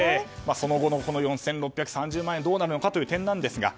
その後の４６３０万円がどうなるのかという点なんですが。